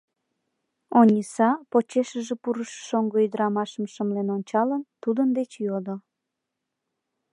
— Ониса, почешыже пурышо шоҥго ӱдырамашым шымлен ончалын, тудын деч йодо.